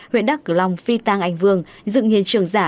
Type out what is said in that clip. huyện đắc cửa long phi tăng anh vương dựng hiện trường giả